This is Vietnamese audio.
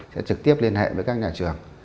sẽ trực tiếp liên hệ với các nhà trường